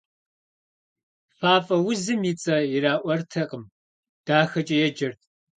Фафӏэ узым и цӏэ ираӏуэртэкъым, «дахэкӏэ» еджэрт.